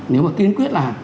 nếu mà kiên quyết là